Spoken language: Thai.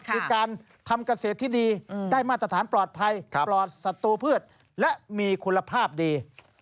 คือการทำเกษตรที่ดีได้มาตรฐานปลอดภัยปลอดศัตรูพืชและมีคุณภาพดี